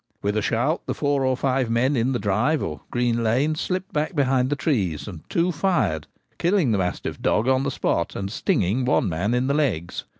With a shout the four or five men in the ' drive/ or green lane, slipped back behind the trees, and two fired, killing the mastiff, dog on the spot and ' stinging ' one man in the legs.